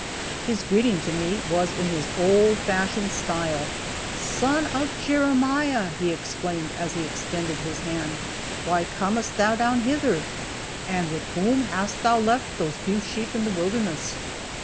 His greeting to me was in his old fashioned style. "Son of Jeremiah!" he exclaimed, as he extended his hand, "why comest thou down hither? And with whom hast thou left those few sheep in the wilderness?"